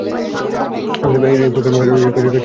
এই প্রোগ্রামের কার্যকারিতা ছিল বিশাল।